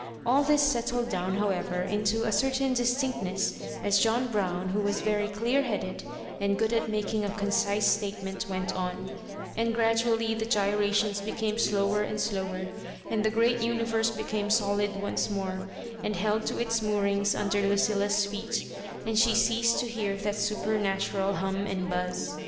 All this settled down, however, into a certain distinctness as John Brown, who was very dear headed and good at making a concise statement, went on ; and gradually the gyrations became slower and slower, and the great universe be came solid once more, and held to its moorings under Lucilla's feet, and she ceased to hear that supernatural hum and buzs.